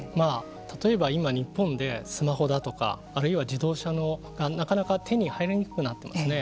例えば今、日本でスマホだとかあるいは自動車のなかなか手に入りにくくなっていますね